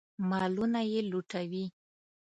مالونه یې لوټوي.